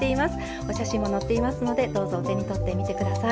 お写真も載っていますのでどうぞお手に取って見て下さい。